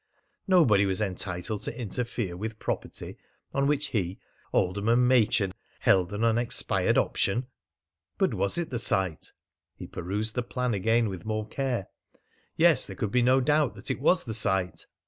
Nobody was entitled to interfere with property on which he, Alderman Machin, held an unexpired option! But was it the site? He perused the plan again with more care. Yes, there could be no doubt that it was the site.